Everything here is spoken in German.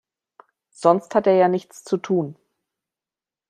Sonst hat er ja nichts zu tun.